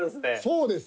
そうです。